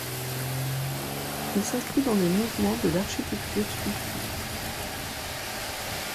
Il s'inscrit dans le mouvement de l'architecture-sculpture.